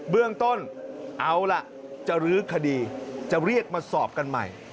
เบื้องต้นเอาล่ะจะรื้อคดีจะเรียกมาสอบกันใหม่